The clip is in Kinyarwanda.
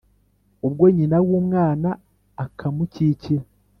Ubwo nyina w’umwana akamukikira,